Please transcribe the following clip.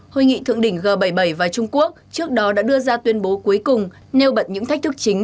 hội nghị thượng đỉnh g bảy mươi bảy và trung quốc trước đó đã đưa ra tuyên bố cuối cùng nêu bật những thách thức chính